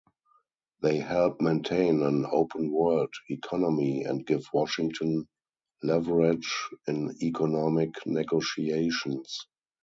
They help maintain an open world economy and give Washington leverage in economic negotiations.